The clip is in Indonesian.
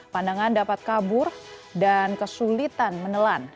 pandangan dapat kabur dan kesulitan menelan